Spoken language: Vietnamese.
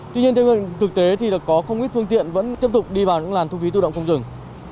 tuy nhiên theo hướng thực tế thì có không ít phương tiện vẫn tiếp tục đi vào những làn thu phí tự động không rừng